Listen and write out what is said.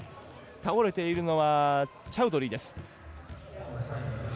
倒れているのはチャウドリーです。